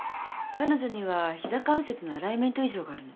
彼女には膝関節のアライメント異常があるの。